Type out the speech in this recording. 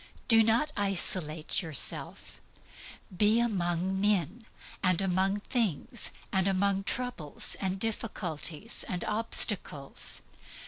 Do not isolate yourself. Be among men and among things, and among troubles, and difficulties, and obstacles.